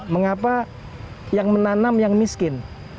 mengapa yang menanam yang miskin